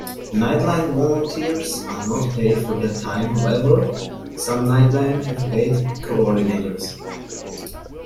Nightline volunteers are not paid for their time, however some Nightlines have paid co-ordinators.